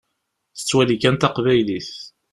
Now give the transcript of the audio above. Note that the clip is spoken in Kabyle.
Tettwali kan taqbaylit.